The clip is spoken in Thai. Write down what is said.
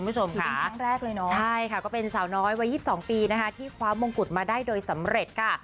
ที่เป็นครั้งแรกเลยเนอะใช่ค่ะก็เป็นสาวน้อยวัย๒๒ปีที่คว้ามองกุฎมาได้โดยสำเร็จค่ะ